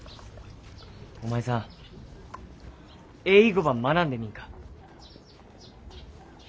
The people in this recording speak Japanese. お前さん英語ば学んでみんか？